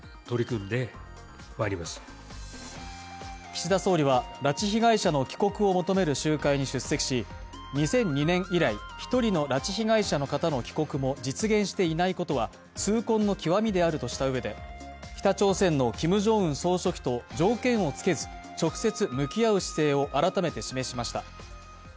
岸田総理は、拉致被害者の帰国を求める集会に出席し、２００２年以来、１人の拉致被害者の方の帰国も実現していないことは痛恨の極みであるとしたうえで、北朝鮮のキム・ジョンウン総書記と条件をつけず直接向き合う姿勢を改めて示しました。